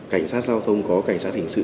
cảnh sát giao thông có cảnh sát hình sự